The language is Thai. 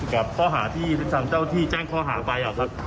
กับเจ้าที่แจ้งข้อหาไป